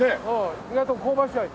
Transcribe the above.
意外と香ばしい味。